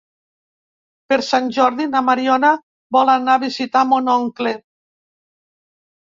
Per Sant Jordi na Mariona vol anar a visitar mon oncle.